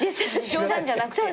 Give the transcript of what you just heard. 冗談じゃなくて？